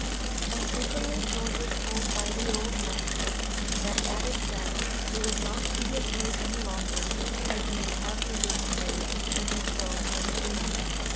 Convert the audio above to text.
And frequently George was told by the old master that at his "death he was not to be a slave any longer, as he would have provision made in his will for his freedom."